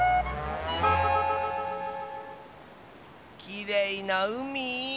きれいなうみ。